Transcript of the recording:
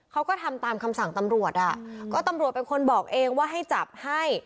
เขาก็ทำตามคำสั่งตำรวจอ่ะก็ตำรวจเป็นคนบอกเองว่าให้จับให้